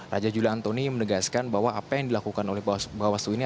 raja juli antoni menegaskan bahwa apa yang dilakukan oleh bawaslu ini